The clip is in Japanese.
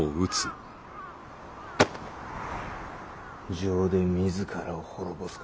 情で自らを滅ぼすか？